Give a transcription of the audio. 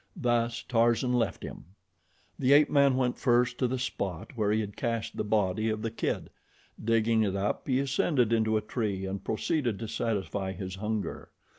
Thus Tarzan left him. The ape man went first to the spot where he had cached the body of the kid. Digging it up, he ascended into a tree and proceeded to satisfy his hunger.